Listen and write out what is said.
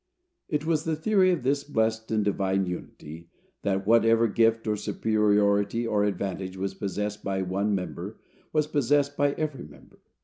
It was the theory of this blessed and divine unity, that whatever gift, or superiority, or advantage, was possessed by one member, was possessed by every member.